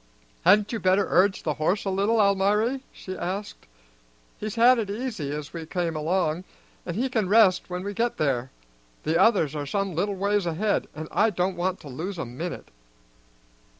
"Hadn't you better urge the horse a little, Almiry?" she asked. "He's had it easy as we came along, and he can rest when we get there. The others are some little ways ahead, and I don't want to lose a minute."